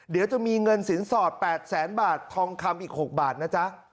เดี๋ยวจะมีเงินสินสอด๘แสนบาททองคำอีก๖บาทนะจ๊ะ